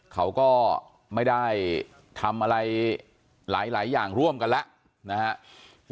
เขาก็ไม่ได้ทำอะไรหลายอย่างร่วมกันแล้วนะครับ